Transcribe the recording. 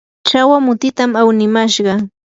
chawa mutitam awnimashqa.